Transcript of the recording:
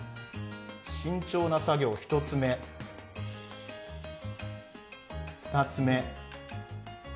慎重な作業、１つ目、２つ目。